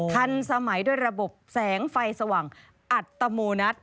ทันสมัยด้วยระบบแสงไฟสว่างอัตโมนัส